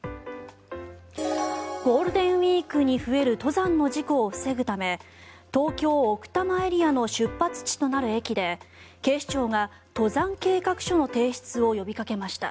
ゴールデンウィークに増える登山の事故を防ぐため東京・奥多摩エリアの出発地となる駅で警視庁が登山計画書の提出を呼びかけました。